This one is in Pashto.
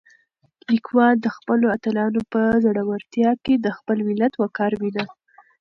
لیکوال د خپلو اتلانو په زړورتیا کې د خپل ملت وقار وینه.